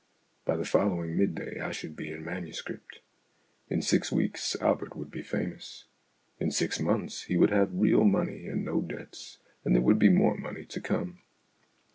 By the follow ing midday I should be in manuscript. In six weeks Albert would be famous. In six months he would have real money and no debts, and there would be more money to come.